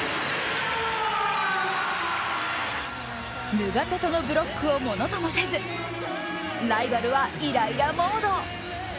ヌガペトのブロックを物ともせずライバルはイライラモード。